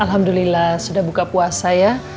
alhamdulillah sudah buka puasa ya